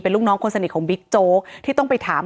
ลูกน้องคนสนิทของบิ๊กโจ๊กที่ต้องไปถาม